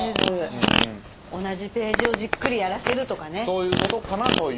そういうことかなという。